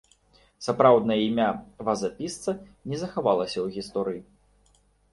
Сапраўднае імя вазапісца не захавалася ў гісторыі.